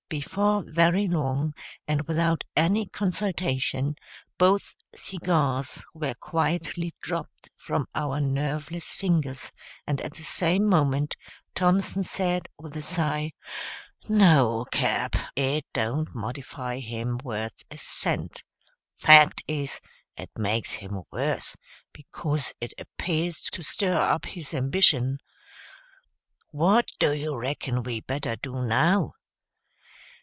Before very long, and without any consultation, both cigars were quietly dropped from our nerveless fingers at the same moment. Thompson said, with a sigh, "No, Cap., it don't modify him worth a cent. Fact is, it makes him worse, becuz it appears to stir up his ambition. What do you reckon we better do, now?"